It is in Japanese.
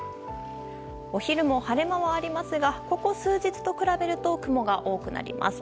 お昼も晴れ間はありますがここ数日と比べると雲が多くなります。